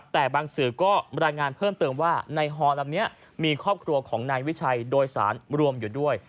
แต่บางสื่อก็รายงานเพิ่มเติมว่าในฮอลำนี้มีครอบครัวของนายวิชัยโดยสารรวมอยู่ด้วย